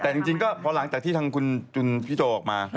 แต่จริงก็พอหลังจากที่ทางคุณจุนพี่โจออกมา